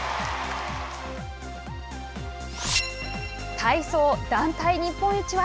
体操、団体日本一は？